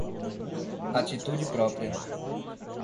Atitude própria